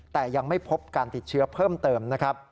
แต่ยังไม่พบการติดเชื้อเพิ่มเติมนะครับ